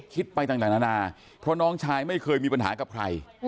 ไปต่างนานาเพราะน้องชายไม่เคยมีปัญหากับใคร